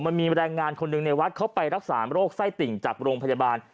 มันมีแรงงานคนหนึ่งในวัดเขาไปรักษาโรคไส้ติ่งจากโรงพยาบาล